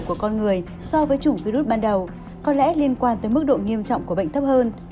của con người so với chủng virus ban đầu có lẽ liên quan tới mức độ nghiêm trọng của bệnh thấp hơn